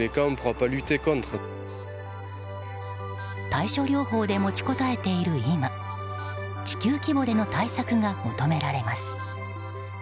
対処療法で持ちこたえている今地球規模での対策が求められます。